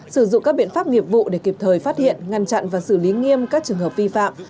sử dụng các biện pháp nghiệp vụ để kịp thời phát hiện ngăn chặn và xử lý nghiêm các trường hợp vi phạm